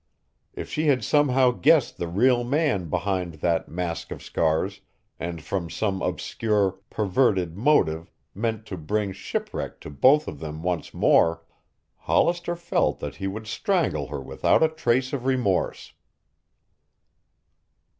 If she had somehow guessed the real man behind that mask of scars, and from some obscure, perverted motive meant to bring shipwreck to both of them once more, Hollister felt that he would strangle her without a trace of remorse.